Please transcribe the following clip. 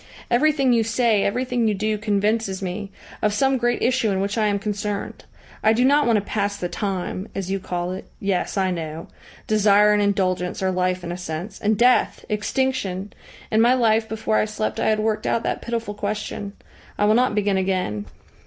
"Everything you say, everything you do, convinces me of some great issue in which I am concerned. I do not want to pass the time, as you call it. Yes, I know. Desire and indulgence are life in a sense and Death! Extinction! In my life before I slept I had worked out that pitiful question. I will not begin again.